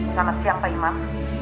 selamat siang pak imam